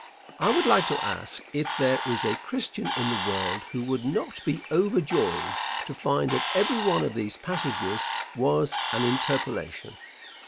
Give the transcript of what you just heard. I would like to ask if there is a Christian in the world who would not be overjoyed to find that every one of these passages was an interpolation?